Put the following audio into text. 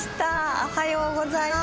おはようございます。